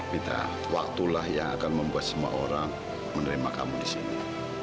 minta waktulah yang akan membuat semua orang menerima kamu di sini